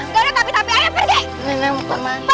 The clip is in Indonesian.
nenek mau kemana